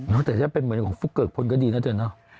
นอกแต่จะเป็นเหมือนฝุ่คเกิกพ้นก็ดีน่ะเงิน